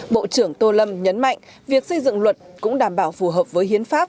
bộ trưởng tô lâm nhấn mạnh việc xây dựng luật cũng đảm bảo phù hợp với hiến pháp